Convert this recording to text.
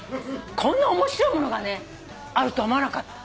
こんな面白いものがねあるとは思わなかった。